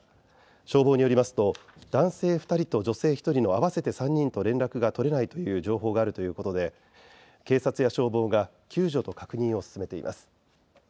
消防によりますと男性２人と女性１人の合わせて３人と連絡が取れない情報があるということで警察や消防が救助と確認を進めています。